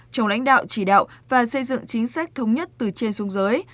trong lãnh đạo chỉ đạo và xây dựng chính sách thống nhất từ trên xuống dưới